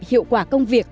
hiệu quả công việc